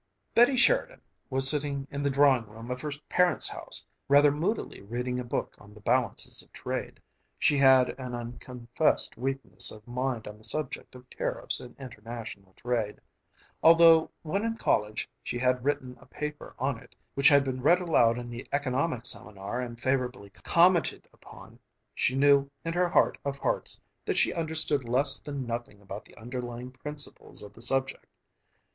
Betty Sheridan was sitting in the drawing room of her parents' house, rather moodily reading a book on the Balance of Trade. She had an unconfessed weakness of mind on the subject of tariffs and international trade. Although when in college she had written a paper on it which had been read aloud in the Economics Seminar and favorably commented upon, she knew, in her heart of hearts, that she understood less than nothing about the underlying principles of the subject.